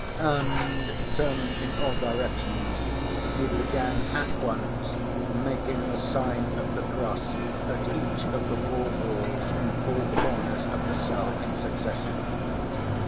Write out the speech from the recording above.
and, turning in all directions, he began at once making the sign of the cross at each of the four walls and four corners of the cell in succession.